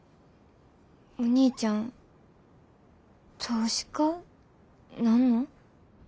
お兄ちゃん投資家なんの？